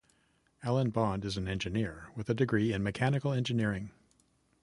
Alan Bond is an engineer, with a degree in Mechanical Engineering.